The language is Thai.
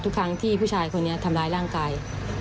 ทุกครั้งที่ผู้ชายคนนี้ทำร้ายร่างกาย